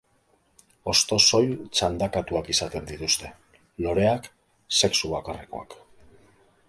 Hosto soil txandakatuak izaten dituzte; loreak, sexu bakarrekoak.